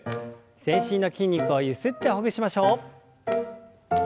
全身の筋肉をゆすってほぐしましょう。